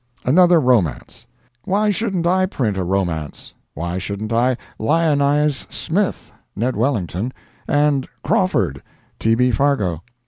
ANOTHER ROMANCE Why shouldn't I print a romance? Why shouldn't I lionize "Smith" (Ned Wellington), and "Crawford" (T. B. Fargo)?